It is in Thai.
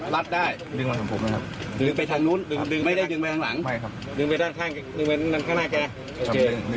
แล้วตอนดึงเองดึงยังไงมันถึงรัดได้